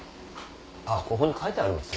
あっここに書いてあります